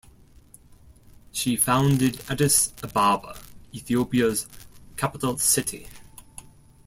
She founded Addis Ababa, Ethiopia's capital city.